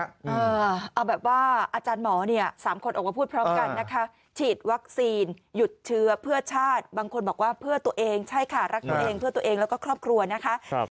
เอาแบบว่าอาจารย์หมอเนี่ยสามคนออกมาพูดพร้อมกันนะคะฉีดวัคซีนหยุดเชื้อเพื่อชาติบางคนบอกว่าเพื่อตัวเองใช่ค่ะรักตัวเองเพื่อตัวเองแล้วก็ครอบครัวนะคะ